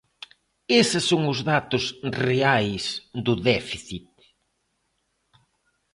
¡Eses son os datos reais do déficit!